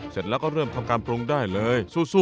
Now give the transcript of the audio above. เสร็จแล้วก็เริ่มทำการปรุงได้เลยสู้